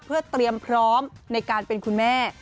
เพื่อเตรียมพร้อมในการเป็นคุณแม่